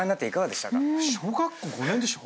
小学校５年でしょ。